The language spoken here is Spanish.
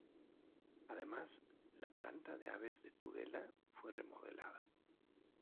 Además, la planta de aves de Tudela fue remodelada.